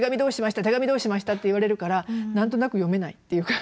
手紙どうしました？」って言われるから何となく読めないっていう感じ。